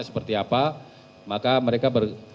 seperti apa maka mereka